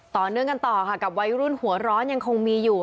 ต่อเนื่องกันต่อค่ะกับวัยรุ่นหัวร้อนยังคงมีอยู่